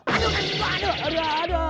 aduh aduh aduh aduh aduh aduh aduh